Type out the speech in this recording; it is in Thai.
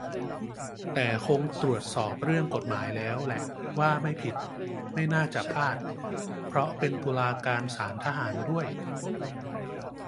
แต่คงตรวจสอบเรื่องกฎหมายแล้วแหละว่าไม่ผิด ไม่น่าจะพลาด เพราะเป็นตุลาการศาลทหารด้วย